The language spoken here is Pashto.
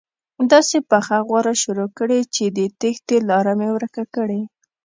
داسې پخه غوره شروع کړي چې د تېښتې لاره مې ورکه کړي.